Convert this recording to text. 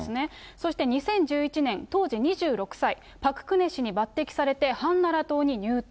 そして２０１１年、当時２６歳、パク・クネ氏に抜てきされてハンナラ党に入党。